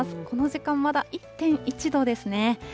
この時間、まだ１．１度ですね。